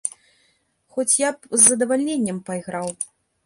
Хоць я б з задавальненнем пайграў.